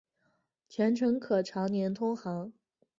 全程可常年通航。